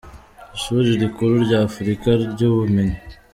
Ishuri rikuru Nyafurika ry’ubumenyi.